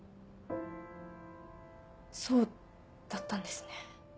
そうだったんですね。